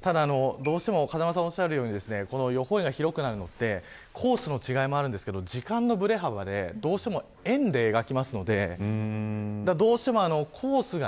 ただ、どうしても風間さんがおっしゃるように予報円が広くなるってコースの違いもあるんですけど時間のぶれ幅でどうしても園で描きますのでどうしてもコースが。